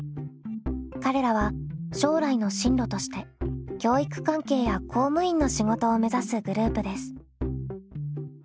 彼らは将来の進路として教育関係や公務員の仕事を目指すグループです。